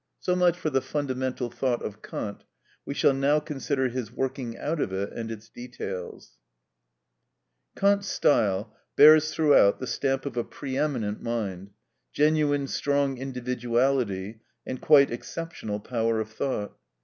So much for the fundamental thought of Kant; we shall now consider his working out of it and its details. ‐‐‐‐‐‐‐‐‐‐‐‐‐‐‐‐‐‐‐‐‐‐‐‐‐‐‐‐‐‐‐‐‐‐‐‐‐ Kant's style bears throughout the stamp of a pre eminent mind, genuine strong individuality, and quite exceptional power of thought.